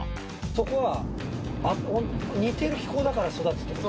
そこは似てる気候だから育つってこと？